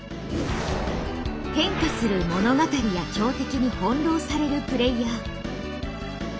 変化する物語や強敵に翻弄されるプレイヤー。